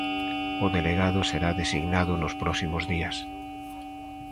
O delegado será designado nos próximos días.